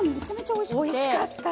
おいしかった。